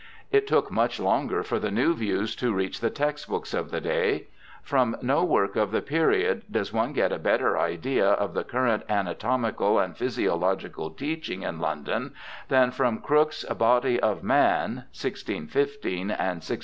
It took much longer for the new views to reach the textbooks of the day. PVom no work of the period HARVEY 321 does one get a better idea of the current anatomical and physiological teaching in London than from Crooke's Body of Mmi (1615 and 1631).